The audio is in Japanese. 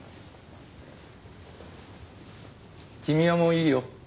君はもういいよ。